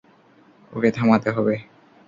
ওকে থামাতে হবে।